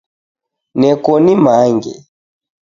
Neko nimange